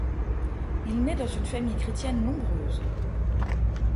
Il naît dans une famille chrétienne nombreuse.